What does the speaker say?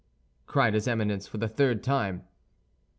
cried his Eminence, for the third time.